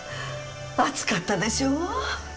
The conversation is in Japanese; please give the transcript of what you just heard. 暑かったでしょう。